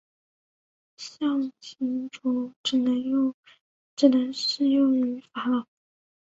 象形茧只能适用于法老。